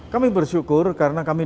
kami bersyukur karena kami